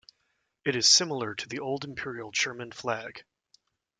It is similar to the old Imperial German flag.